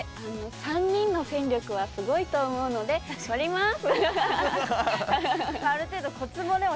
３人の戦力はすごいと思うので頑張ります！